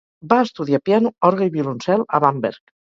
Va estudiar piano, orgue i violoncel a Bamberg.